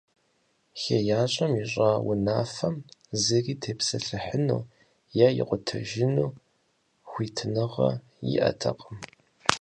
ХеящӀэм ищӀа унафэм зыри тепсэлъыхьыну е икъутэжыну хуитыныгъэ иӀэтэкъым.